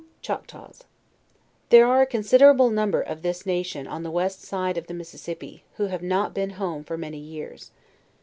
CIIACTAWS. There are a considerable number of this na tion en the west side of the Mississippi, who have not been home for several years.